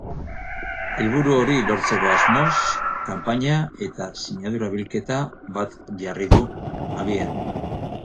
Helburu hori lortzeko asmoz, kanpaina eta sinadura bilketa bat jarri du abian.